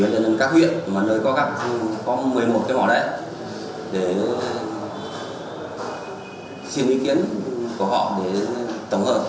nhân dân các huyện mà nơi có một mươi một cái mỏ đấy để xin ý kiến của họ để tổng hợp